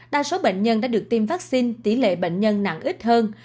đa số bệnh nhân đã được tiêm vaccine tỷ lệ bệnh nhân nặng ít hơn